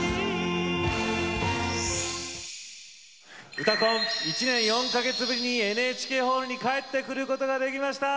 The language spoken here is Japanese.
「うたコン」１年４か月ぶりにＮＨＫホールに帰ってくることができました。